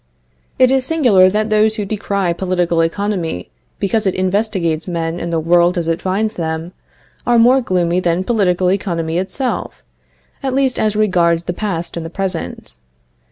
It is singular that those who decry political economy, because it investigates men and the world as it finds them, are more gloomy than political economy itself, at least as regards the past and the present.